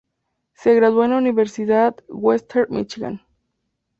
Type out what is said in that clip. Se graduó en la Universidad Western Michigan.